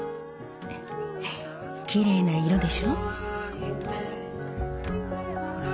きれいな色でしょ？